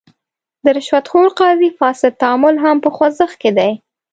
د رشوت خور قاضي فاسد تعامل هم په خوځښت کې دی.